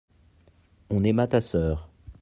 on aima ta sœur.